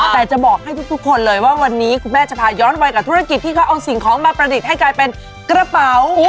แต่จะบอกให้ทุกคนเลยว่าวันนี้คุณแม่จะพาย้อนไปกับธุรกิจที่เขาเอาสิ่งของมาประดิษฐ์ให้กลายเป็นกระเป๋า